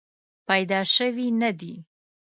پیدا شوې نه دي.